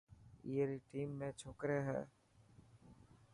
اي ري ٽيم ۾ ڇوڪري هي.